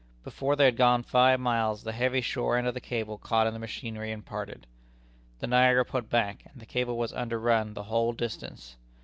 Before they had gone five miles, the heavy shore end of the cable caught in the machinery and parted. The Niagara put back, and the cable was "underrun" the whole distance.